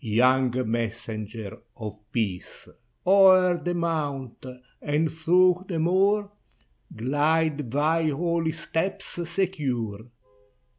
Young Messenger of Peace! O'er the mount, and through the moor, Glide thy holy steps secure.